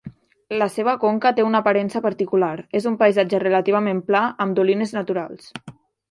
La seva conca té una aparença particular, és un paisatge relativament pla, amb dolines naturals.